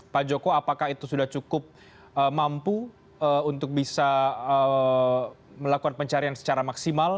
pak joko apakah itu sudah cukup mampu untuk bisa melakukan pencarian secara maksimal